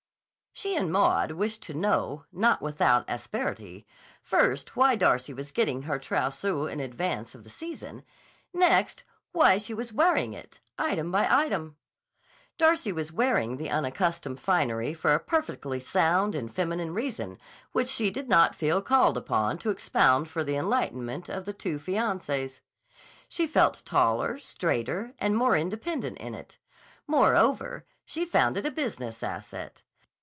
She and Maud wished to know, not without asperity, first why Darcy was getting her trousseau in advance of the season; next, why she was wearing it, item by item. Darcy was wearing the unaccustomed finery for a perfectly sound and feminine reason which she did not feel called upon to expound for the enlightenment of the two fiancées. She felt taller, straighter, and more independent in it. Moreover, she found it a business asset.